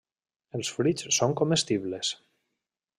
Els fruits són comestibles.